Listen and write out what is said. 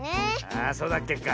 ああそうだっけか。